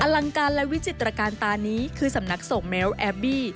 ลังการและวิจิตรการตานี้คือสำนักส่งเมลแอลบี้